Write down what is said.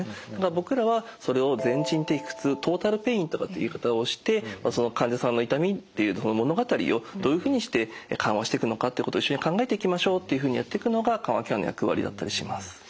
僕らはそれを全人的苦痛トータルペインとかって言い方をしてその患者さんの痛みっていうものがたりをどういうふうにして緩和していくのかってことを一緒に考えていきましょうっていうふうにやっていくのが緩和ケアの役割だったりします。